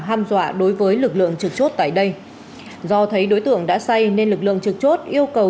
ham dọa đối với lực lượng trực chốt tại đây do thấy đối tượng đã say nên lực lượng trực chốt yêu cầu